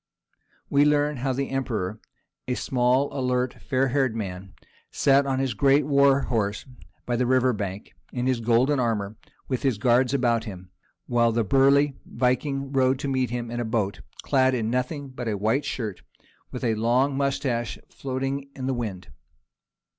We learn how the Emperor, a small alert fair haired man, sat on his great war horse by the river bank, in his golden armour with his guards about him, while the burly Viking rowed to meet him in a boat, clad in nothing but a white shirt, and with his long moustache floating in the wind.